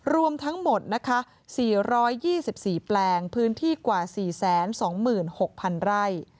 รวมทั้งหมดนะคะ๔๒๔แปลงพื้นที่กว่า๔๒๖๐๐๐ไร่